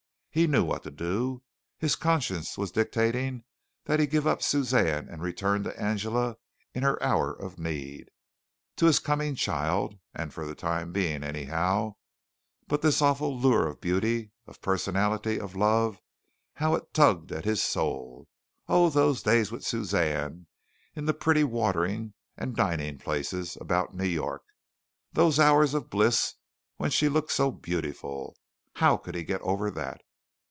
He knew what to do. His conscience was dictating that he give up Suzanne and return to Angela in her hour of need to his coming child, for the time being anyhow, but this awful lure of beauty, of personality, of love how it tugged at his soul! Oh, those days with Suzanne in the pretty watering and dining places about New York, those hours of bliss when she looked so beautiful! How could he get over that?